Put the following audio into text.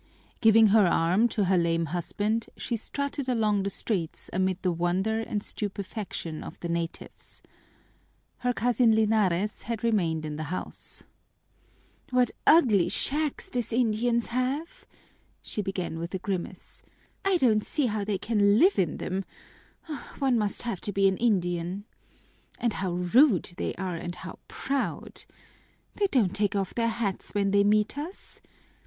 Giving her arm to her lame husband, she strutted along the streets amid the wonder and stupefaction of the natives. Her cousin Linares had remained in the house. "What ugly shacks these Indians have!" she began with a grimace. "I don't see how they can live in them one must have to be an Indian! And how rude they are and how proud! They don't take off their hats when they meet us!